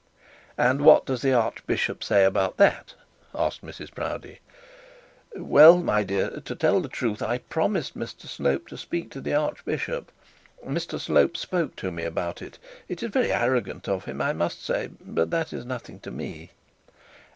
'And what does the archbishop say about that?' asked Mrs Proudie. 'Well, my dear, to tell the truth, I promised Mr Slope to speak to the archbishop. Mr Slope spoke to me about it. It was very arrogant of him, I must say, but that is nothing to me.'